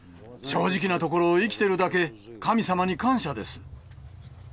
正直なところ、生きてるだけ、神様に感謝です。